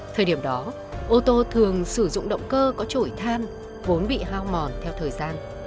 thời điểm đó ô tô thường sử dụng động cơ có trổi than vốn bị hao mòn theo thời gian